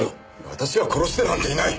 私は殺してなんていない！